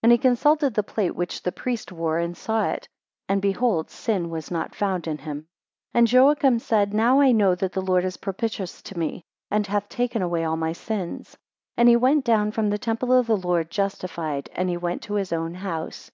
3 And he consulted the plate which the priest wore, and saw it, and behold sin was not found in him. 4 And Joachim said, Now I know that the Lord is propitious to me, and hath taken away all my sins. 5 And he went down from the temple of the Lord justified, and he went to his own house.